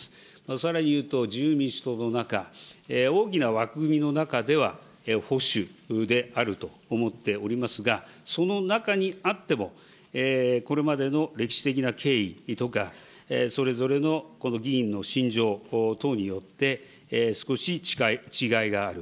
さらにいうと、自由民主党の中、大きな枠組みの中では保守であると思っておりますが、その中にあっても、これまでの歴史的な経緯とか、それぞれの議員の信条等によって、少し違いがある。